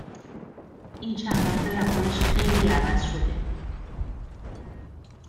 این چند وقته رفتارش خیلی عوض شده